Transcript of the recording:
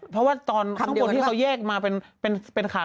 เพราะว่าตอนทั้งหมดที่เขาแยกมาเป็นขา